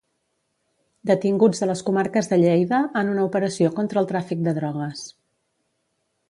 Detinguts a les comarques de Lleida en una operació contra el tràfic de drogues.